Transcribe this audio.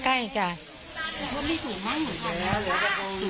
มีสูงห้างห่วงเขามีสูงไง